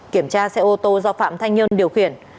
kiểm tra xe ô tô do phạm thanh nhơn điều khiển